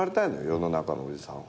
世の中のおじさんは。